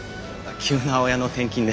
急な親の転勤で。